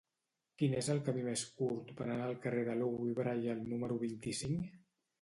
Quin és el camí més curt per anar al carrer de Louis Braille número vint-i-cinc?